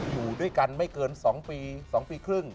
อยู่ด้วยกันไม่เกิน๒ปี๒ปีครึ่ง